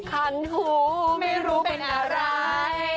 คันหูไม่รู้เป็นอะไร